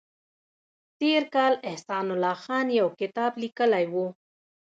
تېر کال احسان الله خان یو کتاب لیکلی و